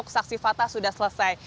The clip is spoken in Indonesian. saksi fakta sudah selesai